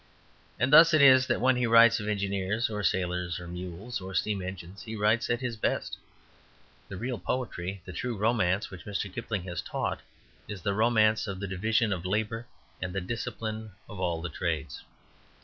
And thus it is that when he writes of engineers, or sailors, or mules, or steam engines, he writes at his best. The real poetry, the "true romance" which Mr. Kipling has taught, is the romance of the division of labour and the discipline of all the trades.